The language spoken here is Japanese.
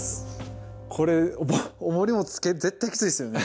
これおもりもつけ絶対キツイですよね。